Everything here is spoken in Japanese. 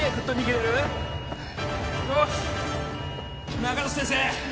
中里先生